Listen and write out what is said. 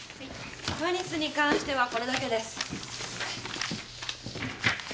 ワニスに関してはこれだけです。